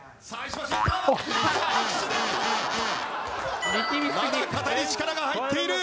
まだ肩に力が入っている。